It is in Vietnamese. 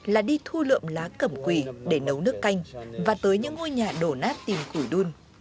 là đi thu lượm lá cầm quỳ để nấu nước canh và tới những ngôi nhà đổ nát tìm củi đun